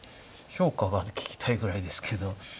評価が聞きたいぐらいですけど。